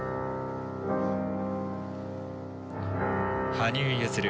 羽生結弦